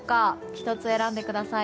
１つ、選んでください。